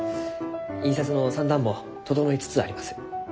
印刷の算段も整いつつあります。